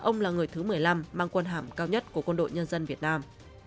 mang quân hàm cao nhất của quân đội nhân dân việt nam